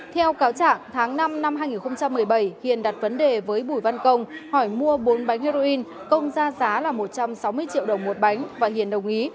theo cáo trạng tháng năm năm hai nghìn một mươi bảy hiền đặt vấn đề với bùi văn công hỏi mua bốn bánh heroin công ra giá là một trăm sáu mươi triệu đồng một bánh và hiền đồng ý